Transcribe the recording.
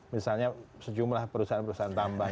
misalnya sejumlah perusahaan perusahaan tambahan